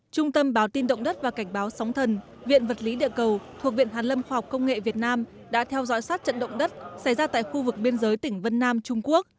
trung tâm báo tin động đất và cảnh báo sóng thần viện vật lý địa cầu thuộc viện hàn lâm khoa học công nghệ việt nam đã theo dõi sát trận động đất xảy ra tại khu vực biên giới tỉnh vân nam trung quốc